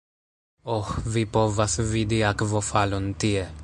Oh vi povas vidi akvofalon tie